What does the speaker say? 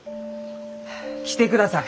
来てください。